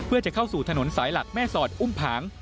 เพื่อจะเข้าสู่ถนนสายหลักแม่สอดอุ้มผาง